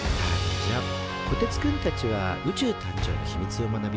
こてつくんたちは宇宙誕生の秘密を学び